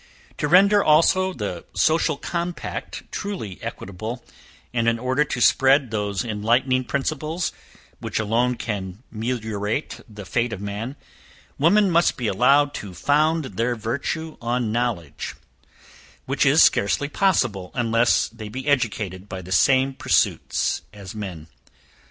To render also the social compact truly equitable, and in order to spread those enlightening principles, which alone can meliorate the fate of man, women must be allowed to found their virtue on knowledge, which is scarcely possible unless they be educated by the same pursuits as men.